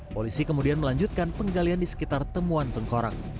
polisi kemudian melanjutkan penggalian di sekitar temuan tengkorak